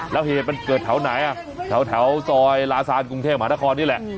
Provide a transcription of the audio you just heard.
แล้วเหตุมันเกิดแถวไหนแถวซอยลาซานกรุงเทพหานครนี่แหละ